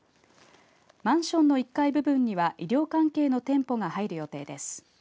マンションの１階部分には医療関係の店舗が入る予定です。